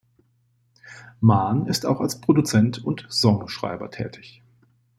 Maahn ist auch als Produzent und Songschreiber tätig.